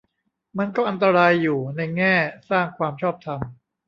มันก็อันตรายอยู่ ในแง่สร้างความชอบธรรม